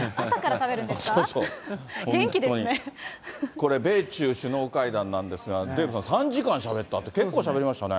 これ、米中首脳会談なんですが、デーブさん、３時間しゃべったって、結構しゃべりましたね。